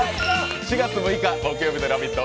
４月６日木曜日の「ラヴィット！」